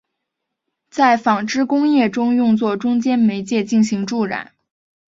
在纺织工业中用作中间媒介进行助染。